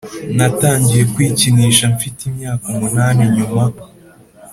Natangiye kwikinisha mfite imyaka umunani Nyuma